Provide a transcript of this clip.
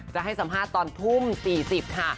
จะให้สัมภาษณ์ตอนทุ่ม๔๐ค่ะ